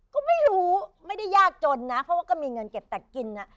ก็ไม่รู้ไม่ได้ยากจนนะเพราะว่าก็มีเงินเก็บแต่กินน่ะ